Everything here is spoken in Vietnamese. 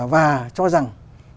và cho rằng